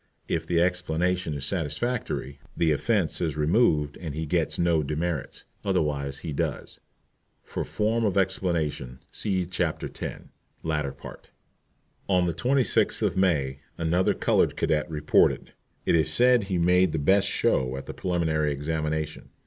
If the explanation is satisfactory, the offence is removed and he gets no demerits, otherwise he does. For form of explanation see Chapter X., latter part. On the 26th of May, another colored candidate reported. It is said he made the best show at the preliminary examination.